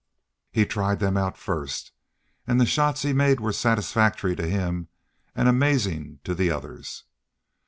He tried them out first, and the shots he made were satisfactory to him and amazing to the others.